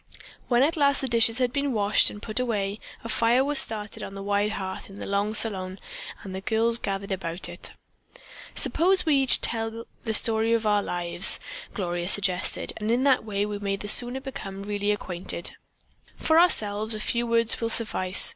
When at last the dishes had been washed and put away, a fire was started on the wide hearth in the long salon and the girls gathered about it. "Suppose we each tell the story of our lives," Gloria suggested, "and in that way we may the sooner become really acquainted. "For ourselves a few words will suffice.